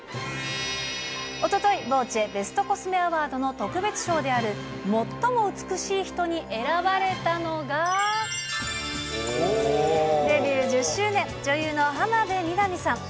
おととい、ヴォーチェベストコスメアワードの特別賞である最も美しい人に選ばれたのが、デビュー１０周年、女優の浜辺美波さん。